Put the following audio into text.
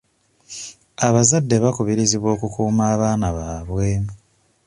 Abazadde bakubirizibwa okukuuma abaana baabwe.